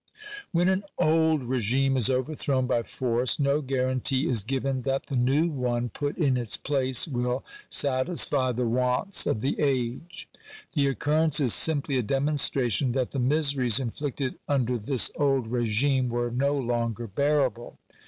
When an old regime is overthrown by force, no guarantee is given that the new one put in its place will satisfy the wants of the age. The occurrence is simply a demonstration that the miseries inflicted under this old regime were no longer bearable.